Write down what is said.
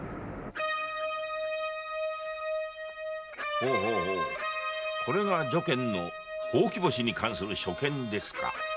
ほうこれが如見のほうき星に関する所見ですか。